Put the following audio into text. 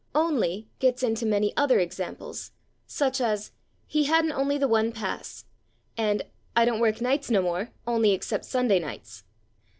/Only/ gets into many other examples, /e. g./, "he hadn't /only/ the one pass" and "I don't work nights no more, /only/ except Sunday nights."